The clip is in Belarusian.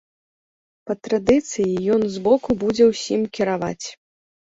Па традыцыі ён з боку будзе ўсім кіраваць.